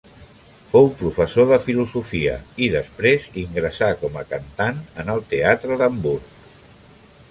Fou professor de filosofia i després ingressà com a cantant en el teatre d'Hamburg.